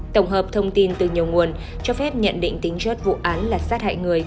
tổng hợp thông tin từ nhiều nguồn cho phép nhận định tính chất vụ án là sát hại người